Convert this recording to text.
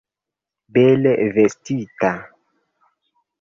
Bele vestita.